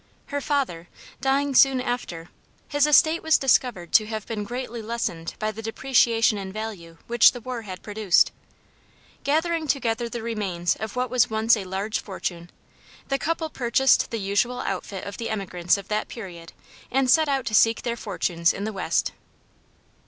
Her father, dying soon after, his estate was discovered to have been greatly lessened by the depreciation in value which the war had produced. Gathering together the remains of what was once a large fortune, the couple purchased the usual outfit of the emigrants of that period and set out to seek their fortunes in the West.